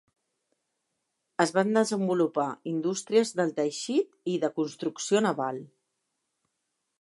Es van desenvolupar indústries del teixit i de construcció naval.